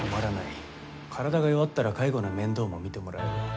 体が弱ったら介護の面倒も見てもらえる。